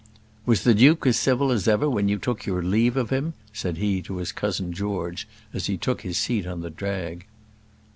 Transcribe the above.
"Was the duke as civil as ever when you took your leave of him?" said he to his cousin George, as he took his seat on the drag.